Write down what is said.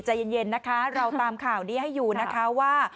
ใจเย็นนะคะเราตามข่าวนี้ให้อยู่นะคะว่า